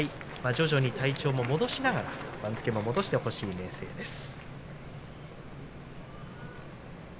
徐々に体調も戻しながら番付も戻してほしい明生です。